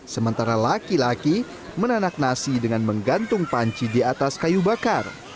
sementara laki laki menanak nasi dengan menggantung panci di atas kayu bakar